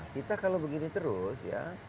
kita kalau begini terus ya